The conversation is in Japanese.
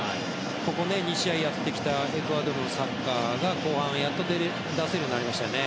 ここ２試合やってきたエクアドルのサッカーが後半で、やっと出せるようになりましたね。